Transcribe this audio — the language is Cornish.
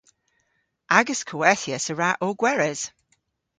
Agas kowethyas a wra ow gweres.